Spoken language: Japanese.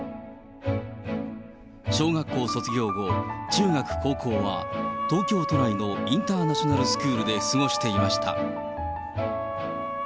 小学校卒業後、中学、高校は、東京都内のインターナショナルスクールで過ごしていました。